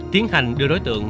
tiến hành đưa đối tượng